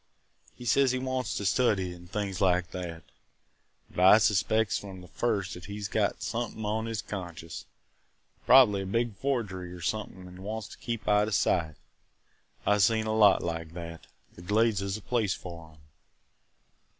He says he wants to study – an' things like that, but I s'pects from the first as he 's got somethin' on his conscience, probably a big forgery or somethin' an' wants to keep out o' sight. I 've seen a lot like that. The Glades is the place for 'em.